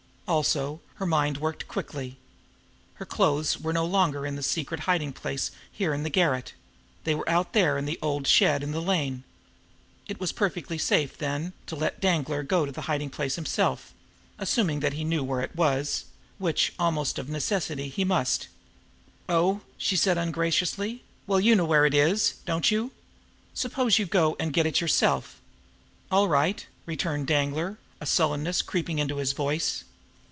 Also, her mind worked quickly. Her own clothes were no longer in the secret hiding place here in the garret; they were out there in that old shed in the lane. It was perfectly safe, then, to let Danglar go to the hiding place himself, assuming that he knew where it was which, almost of necessity, he must. "Oh!" she said ungraciously. "Well, you know where it is, don't you? Suppose you go and get it yourself!" "All right!" returned Danglar, a sullenness creeping into his voice.